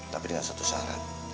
tapi dengan satu syarat